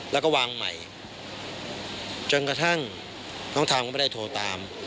แล้วก็วางใหม่จนกระทั่งน้องทามก็ไม่ได้โทรตาม